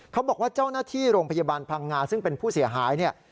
เขาบอกว่าเจ้าหน้าที่โรงพยาบาลพังงาซึ่งเป็นผู้เสียหายเนี่ย